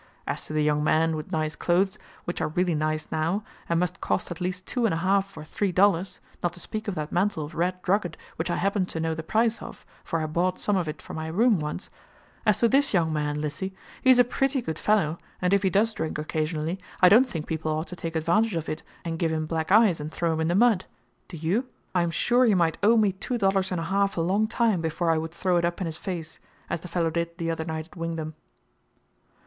As to the young man with nice clothes, which are really nice now, and must cost at least two and a half or three dollars, not to speak of that mantle of red drugget which I happen to know the price of, for I bought some of it for my room once as to this young man, Lissy, he is a pretty good fellow, and if he does drink occasionally, I don't think people ought to take advantage of it and give him black eyes and throw him in the mud. Do you? I am sure he might owe me two dollars and a half a long time, before I would throw it up in his face, as the fellow did the other night at Wingdam."